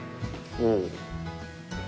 うん。